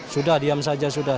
sudah diam saja sudah